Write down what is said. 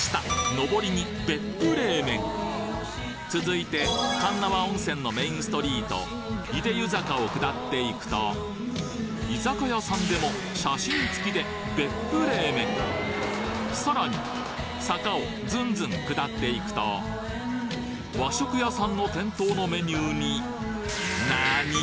のぼりに「別府冷麺」続いて鉄輪温泉のメインストリートいでゆ坂を下っていくと居酒屋さんでも写真付きで別府冷麺さらに坂をずんずん下っていくと和食屋さんの店頭のメニューになに！？